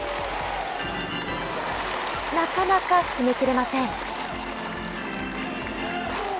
なかなか決めきれません。